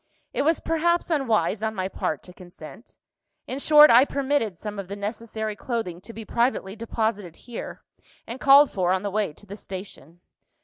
It was perhaps unwise on my part to consent in short, I permitted some of the necessary clothing to be privately deposited here, and called for on the way to the station.